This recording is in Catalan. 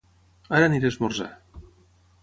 Ara aniré a esmorzar.